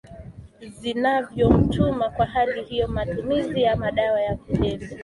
zinavyomtuma Kwa hali hiyo matumizi ya madawa ya kulevya